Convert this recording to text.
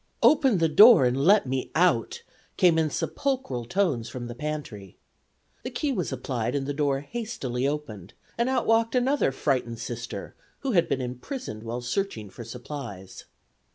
"Open the door and let me out," came in sepulchral tones from the pantry. The key was applied and the door hastily opened, and out walked another frightened Sister, who had been imprisoned while searching for supplies.